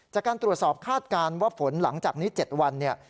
จากการตรวจสอบคาดการณ์ว่าฝนหลังจากนี้๗วันเนี่ย